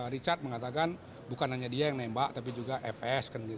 richard mengatakan bukan hanya dia yang nembak tapi juga fs